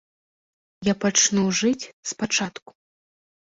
Я пачну жыць спачатку.